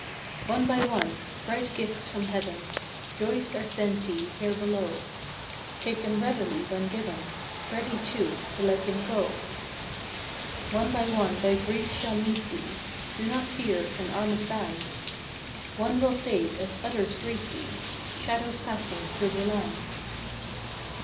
One by one (bright gifts from Heaven) Joys are sent thee here below; Take them readily when given, Ready too to let them go. io8 FROM QUEENS' GARDENS. One by one thy griefs shall meet thee, Do not fear an arm£d band; One will fade as others greet thee; Shadows passing through the land.